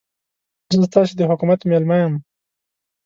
زه ستاسې د حکومت مېلمه یم.